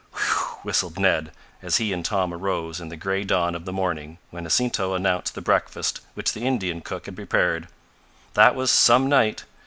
"Whew!" whistled Ned, as he and Tom arose in the gray dawn of the morning when Jacinto announced the breakfast which the Indian cook had prepared. "That was some night!